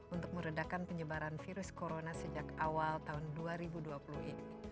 untuk meredakan penyebaran virus corona sejak awal tahun dua ribu dua puluh ini